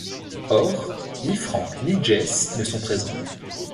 Or, ni Frank ni Jesse ne sont présents.